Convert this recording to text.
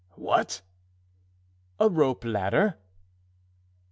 "What?" "A rope ladder."